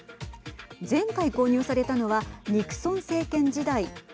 前回、購入されたのはニクソン政権時代。